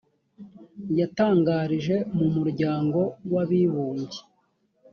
yatangarije mumuryango w abibumbye